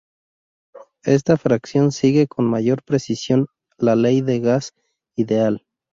Esta fracción sigue con mayor precisión la ley del gas ideal.